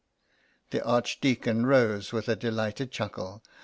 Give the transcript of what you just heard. The Archdeacon rose with a delighted chuckle.